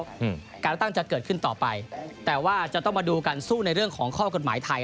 อืมการเลือกตั้งจะเกิดขึ้นต่อไปแต่ว่าจะต้องมาดูกันสู้ในเรื่องของข้อกฎหมายไทย